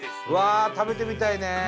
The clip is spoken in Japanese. うわ食べてみたいね。